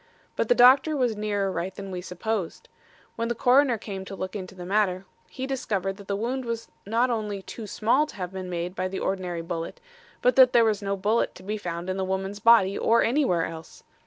But the doctor was nearer right than we supposed. When the coroner came to look into the matter, he discovered that the wound was not only too small to have been made by the ordinary bullet, but that there was no bullet to be found in the woman's body or anywhere else.